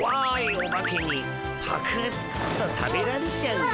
オバケにパクッと食べられちゃうよ。